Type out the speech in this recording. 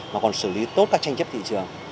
mà còn xử lý tốt các tranh chấp thị trường